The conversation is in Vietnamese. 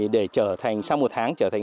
để trở thành sau một tháng trở thành